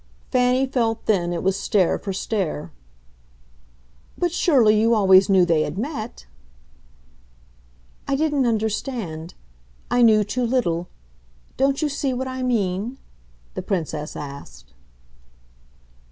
Fanny felt then it was stare for stare. "But surely you always knew they had met." "I didn't understand. I knew too little. Don't you see what I mean?" the Princess asked.